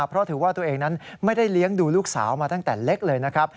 เพราะถือว่าตัวเองนั้นไม่ได้เลี้ยงดูลูกสาวมาตั้งแต่เล็กเลยนะครับ